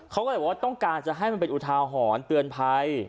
เขาก็แบบว่าต้องการจะให้มันเป็นอุทารหอนเตือนไพร